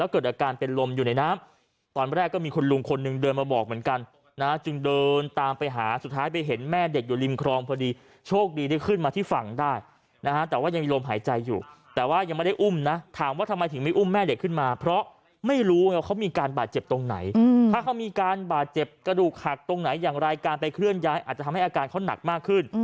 การไปเคลื่อนย้ายอาจจะทำให้อาการเขาหนักมากขึ้น